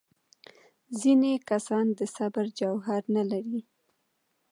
ځینې کسان د صبر جوهر نه لري.